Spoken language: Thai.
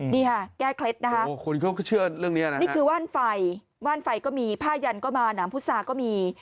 นี่ค่ะแก้เคล็ดนะคะนี่คือว่านไฟว่านไฟก็มีผ้ายันก็มาน้ำพุซาก็มี